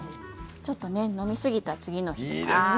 ちょっと飲みすぎた次の日とかね。